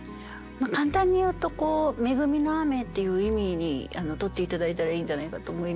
簡単に言うと恵みの雨っていう意味にとって頂いたらいいんじゃないかと思います。